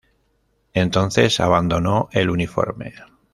Entonces abandonó el uniforme.